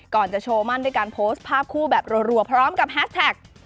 ก่อนจะโชว์มั่นด้วยการโพสต์ภาพคู่แบบรัวพร้อมกับแฮสแท็ก